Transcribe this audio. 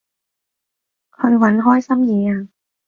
去搵開心嘢吖